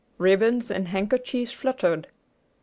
Ribbons and handkerchiefs fluttered.